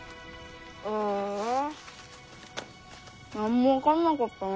ああ何も分かんなかったな。